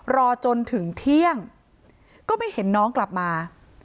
รอจนถึงเที่ยงก็ไม่เห็นน้องกลับมา